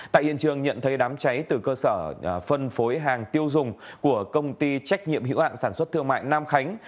tại hiện trường nhận thấy đám cháy từ cơ sở phân phối hàng tiêu dùng của công ty trách nhiệm hữu hạn sản xuất thương mại nam khánh